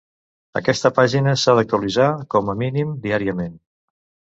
Aquesta pàgina s'ha d'actualitzar, com a mínim, diàriament.